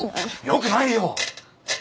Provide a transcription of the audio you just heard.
よくないよ。